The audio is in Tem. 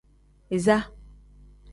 Iza.